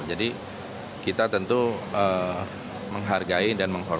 jadi kita tentu menghargai dan menghormati